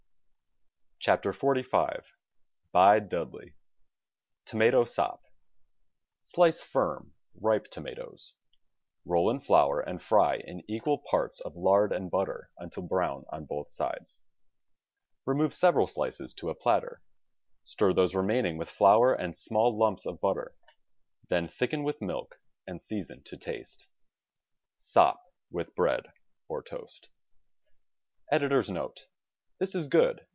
WRITTEN FOR MEN BY MEN XLV Bide Dudley TOMATO SOP Slice firm, ripe tomatoes; roll in flour and fry in equal parts of lard and butter until brown on both sides. Re move several slices to a plater, stir those remaining with flour and small lumps of butter: then thicken with milk and season to taste. Sop with bread or toast. Editor's Note: — This is good.